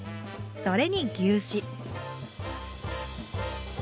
それに牛脂。